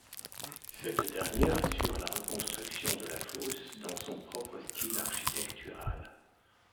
Cette dernière assure la reconstruction de la fosse dans son propre style architectural.